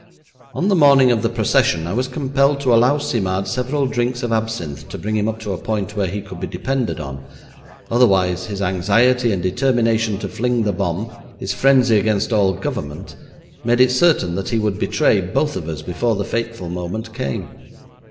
On the morning of the procession I was compelled to allow Simard several drinks of absinthe to bring him up to a point where he could be depended on, otherwise his anxiety and determination to fling the bomb, his frenzy against all government, made it certain that he would betray both of us before the fateful moment came.